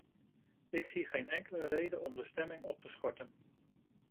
Ik zie geen enkele reden om de stemming op te schorten.